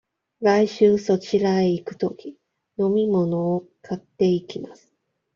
来週そちらへ行くとき、飲み物を買っていきます。